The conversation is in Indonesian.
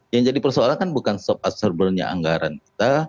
yang jadi persoalan kan bukan shock absorbernya anggaran kita